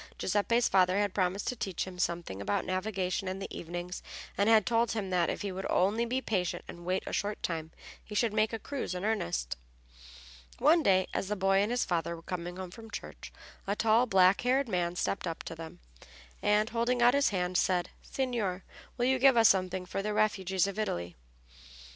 Giuseppe's father had promised to teach him something about navigation in the evenings, and had told him that, if he would only be patient and wait a short time, he should make a cruise in earnest. One day, as the boy and his father were coming home from church a tall, black haired man stepped up to them, and, holding out his hand, said, "Signor, will you give us something for the refugees of Italy?"